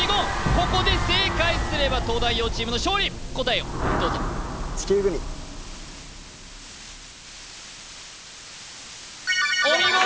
ここで正解すれば東大王チームの勝利答えをどうぞお見事！